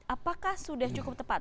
apakah sudah cukup tepat